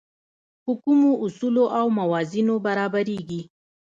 په کومو اصولو او موازینو برابرېږي.